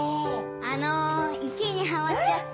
あの池にはまっちゃって。